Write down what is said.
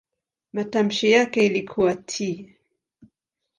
Matamshi yake ilikuwa "t".